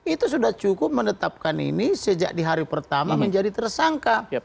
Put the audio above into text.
itu sudah cukup menetapkan ini sejak di hari pertama menjadi tersangka